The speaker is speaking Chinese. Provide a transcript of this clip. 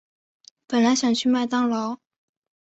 本来想去麦当劳